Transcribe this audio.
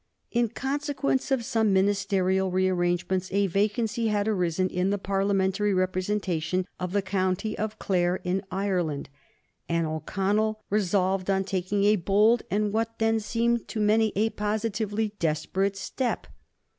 In consequence of some ministerial rearrangements a vacancy had arisen in the Parliamentary representation of the county of Clare in Ireland, and O'Connell resolved on taking a bold and what then seemed to many a positively desperate step.